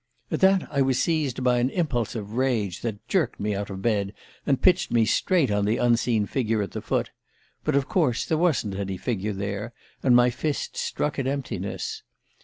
"At that I was seized by an impulse of rage that jerked me out of bed and pitched me straight on the unseen figure at its foot. But of course there wasn't any figure there, and my fists struck at emptiness.